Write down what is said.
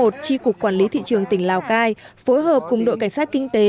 tri cục quản lý thị trường tỉnh lào cai phối hợp cùng đội cảnh sát kinh tế